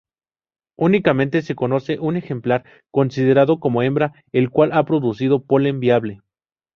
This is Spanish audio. Únicamente se conoce un ejemplar, considerado como hembra, el cual ha producido polen viable.